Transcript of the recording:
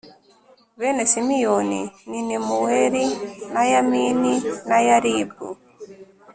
Bene Simiyoni ni Nemuweli na Yamini na Yaribu